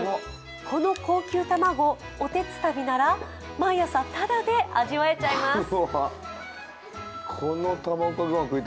この高級卵、おてつたびなら毎朝ただで味わえちゃいます。